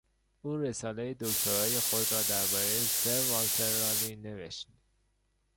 او رسالهی دکترای خود را دربارهی سروالتر رالی نگاشت.